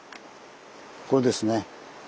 これですね。